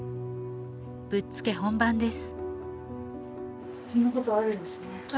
ぶっつけ本番です